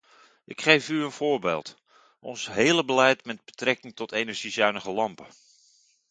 Ik geef u een voorbeeld: ons hele beleid met betrekking tot energiezuinige lampen.